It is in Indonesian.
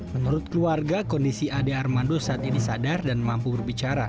menurut keluarga kondisi ade armando saat ini sadar dan mampu berbicara